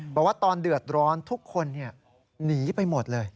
บอกว่าตอนเดือดร้อนทุกคนหนีไปหมดเลย